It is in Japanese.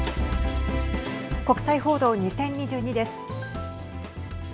国際報道２０２２です。